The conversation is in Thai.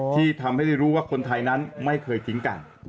ที่ทำให้ได้รู้ว่าคนไทยนั้นไม่เคยทิ้งกัน